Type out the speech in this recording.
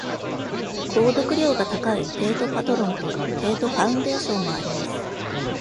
購読料が高いテート・パトロンとテート・ファウンデーションもあります。